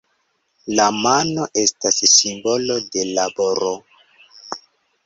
La mano estas simbolo de laboro.